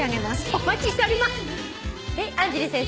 お待ちしております。